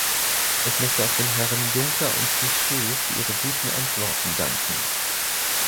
Ich möchte auch den Herren Juncker und Trichet für ihre guten Antworten danken.